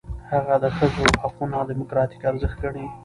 هغه د ښځو حقونه دموکراتیک ارزښت ګڼي.